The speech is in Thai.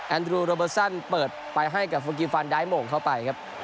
ดรูโรเบอร์ซันเปิดไปให้กับฟูกิฟันไดทโมงเข้าไปครับ